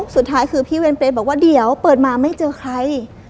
สุดท้ายคือพี่เวรเปรย์บอกว่าเดี๋ยวเปิดมาไม่เจอใคร